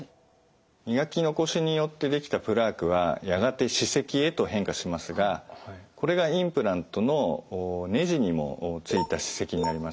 磨き残しによって出来たプラークはやがて歯石へと変化しますがこれがインプラントのねじにもついた歯石になります。